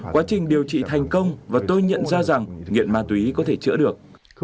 quá trình điều trị thành công và tôi nhận ra rằng nghiện ma túy có thể chữa được